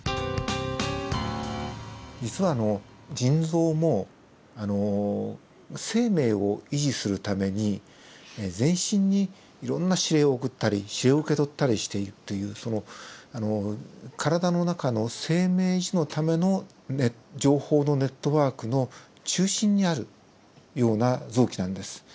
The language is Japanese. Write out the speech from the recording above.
実は腎臓も生命を維持するために全身にいろんな指令を送ったり指令を受け取ったりしているっていう体の中の生命維持のための情報のネットワークの中心にあるような臓器なんです。